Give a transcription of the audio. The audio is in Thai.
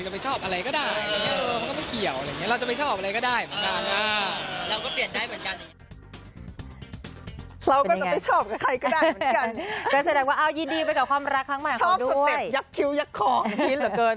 ชอบสเต็ปยักษ์คิ้วยักษ์คลองพีชเหลือเกิน